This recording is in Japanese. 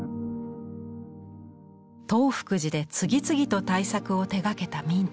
東福寺で次々と大作を手がけた明兆。